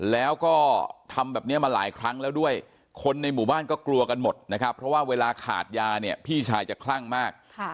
แล้วก็ทำแบบนี้มาหลายครั้งแล้วด้วยคนในหมู่บ้านก็กลัวกันหมดนะครับเพราะว่าเวลาขาดยาเนี่ยพี่ชายจะคลั่งมาก